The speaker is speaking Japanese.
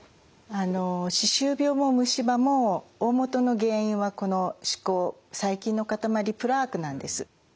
あの歯周病も虫歯も大本の原因はこの歯垢細菌の塊プラークなんです。